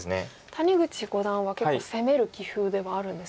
谷口五段は結構攻める棋風ではあるんですか？